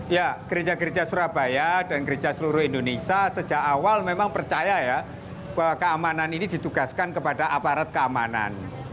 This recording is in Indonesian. ya gereja gereja surabaya dan gereja seluruh indonesia sejak awal memang percaya ya bahwa keamanan ini ditugaskan kepada aparat keamanan